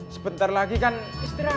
sebenernya kan istirahat